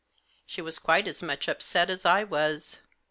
She was quite as much upset as I was.